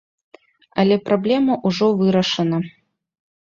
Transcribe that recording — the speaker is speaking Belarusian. Але праблема ўжо вырашана.